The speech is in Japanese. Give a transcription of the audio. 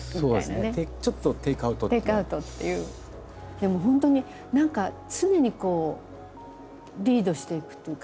でも本当に何か常にこうリードしていくっていうか。